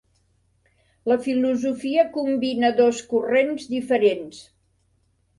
La filosofia combina dos corrents diferents.